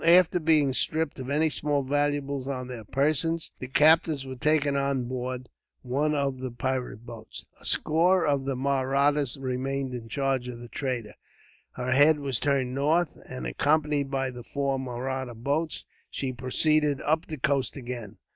After being stripped of any small valuables on their persons, the captives were taken on board one of the pirate boats. A score of the Mahrattas remained in charge of the trader. Her head was turned north, and, accompanied by the four Mahratta boats, she proceeded up the coast again.